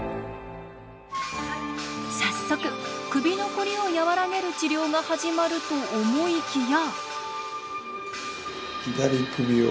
早速首のコリを和らげる治療が始まると思いきや。